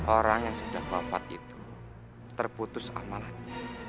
orang yang sudah wafat itu terputus amalannya